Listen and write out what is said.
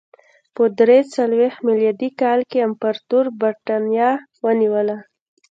په درې څلوېښت میلادي کال کې امپراتور برېټانیا ونیوله